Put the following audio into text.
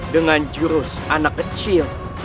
dengan jurus anak kecil